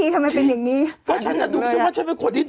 เด็กเฟสจะมาแล้ว